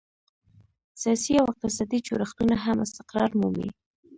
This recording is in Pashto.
سیاسي او اقتصادي جوړښتونه هم استقرار مومي.